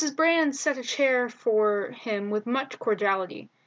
Brand set a chair for him with much cordiality.